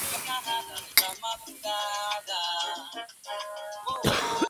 Entre los títulos en los que interviene figuran: "¡Cómo está el servicio!